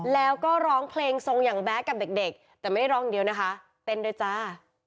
แล้วก็ร้องเพลงทรงอย่างแบ๊กับเด็กแต่ไม่ได้ร้องอย่างเดียวนะคะเต้นด้วยจ้า